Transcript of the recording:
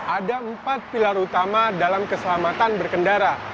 ada empat pilar utama dalam keselamatan berkendara